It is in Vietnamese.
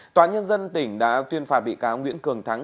tòa nhân dân tỉnh đã tuyên phạt bị cáo nguyễn cường thắng